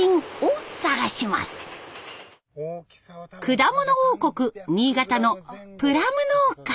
果物王国新潟のプラム農家。